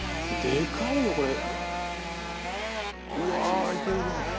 でかいよこれ。